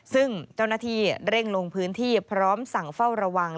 ซึ่งเจ้าหน้าที่เร่งลงพื้นที่พร้อมสั่งเฝ้าระวัง